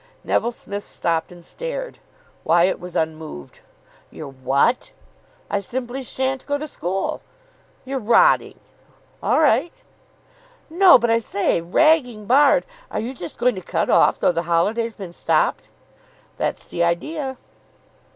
Neville Smith stopped and stared. Wyatt was unmoved. "You're what?" "I simply sha'n't go to school." "You're rotting." "All right." "No, but, I say, ragging barred. Are you just going to cut off, though the holiday's been stopped?" "That's the idea."